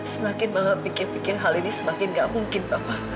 semakin mama pikir pikir hal ini semakin gak mungkin papa